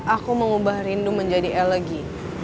aku mengubah rindu menjadi elegy